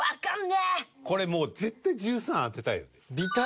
これもう絶対１３当てたいよね。